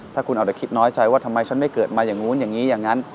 ถ้าคุณอาจจะคิดน้อยใจว่าทำไมฉันไม่เกิดมาอย่างนู้นอย่างนี้อย่างนั้น